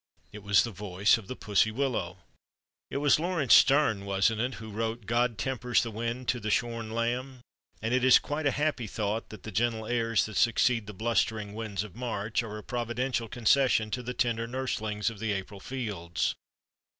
It was the voice of the Pussy Willow! It was Lawrence Sterne, wasn't it? who wrote, "God tempers the wind to the shorn lamb," and it is quite a happy thought that the gentle airs that succeed the blustering winds of March, are a Providential concession to the tender nurslings of the April fields.